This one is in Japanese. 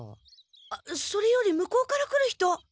あっそれより向こうから来る人！